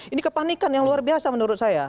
ini kepanikan yang luar biasa menurut saya